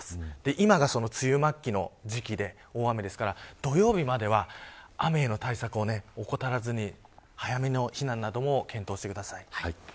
今がその梅雨末期の時期で大雨ですから土曜日までは雨の対策を怠らずに早めの避難なども検討してください。